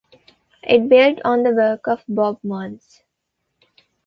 It built on the work of Bob Muns.